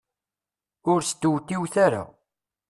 Ur stewtiwet ara.